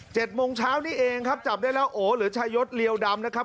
โมงเช้านี้เองครับจับได้แล้วโอหรือชายศเลียวดำนะครับ